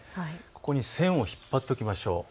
ここに線を引っ張っておきましょう。